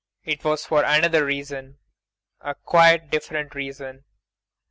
] Yes, Maia it was for another reason. A quite different reason.